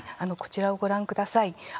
こちらをご覧ください。